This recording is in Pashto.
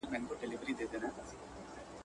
غل هم وايي خدايه، د کور خاوند هم وايي خدايه.